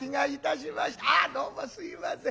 あっどうもすいません。